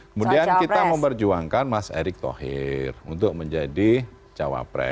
kemudian kita memperjuangkan mas erick thohir untuk menjadi cawapres